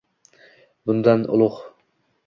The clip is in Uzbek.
Bundan ulug’